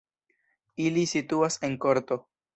Ili situas en korto.